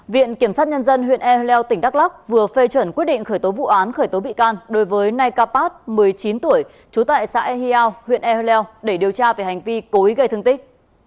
viện kiểm sát nhân dân huyện ehleu tỉnh đắk lắk vừa phê chuẩn quyết định khởi tố vụ án khởi tố bị can đối với nay kapat một mươi chín tuổi chú tại xã ehiau huyện ehleu để điều tra về hành vi cố ý gây thương tích